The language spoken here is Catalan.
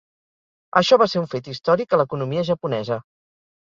Això va ser un fet històric a l'economia japonesa.